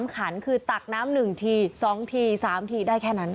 ขันคือตักน้ำ๑ที๒ที๓ทีได้แค่นั้น